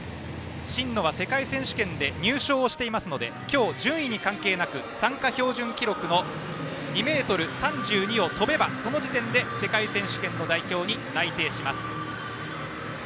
真野は世界選手権で優勝していますので今日、順位に関係なく参加標準記録の２ｍ３２を跳べばその時点で世界選手権の代表に内定します。